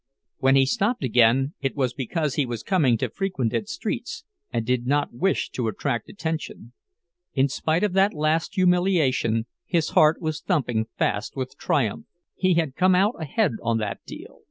When he stopped again it was because he was coming to frequented streets and did not wish to attract attention. In spite of that last humiliation, his heart was thumping fast with triumph. He had come out ahead on that deal!